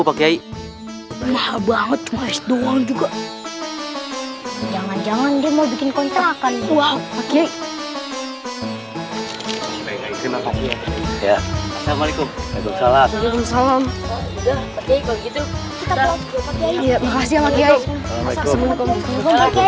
pakai mahal banget maes doang juga jangan jangan dia mau bikin kontak kali wow oke ya assalamualaikum